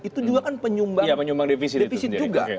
itu juga kan penyumbang penyumbang defisit juga